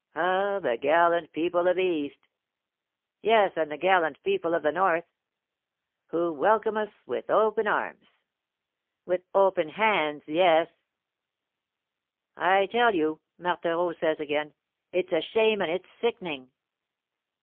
"Ah, the gallant people of the East!" "Yes, and the gallant people of the North!" "Who welcome us with open arms!" "With open hands, yes " "I tell you," Marthereau says again, "it's a shame and it's sickening."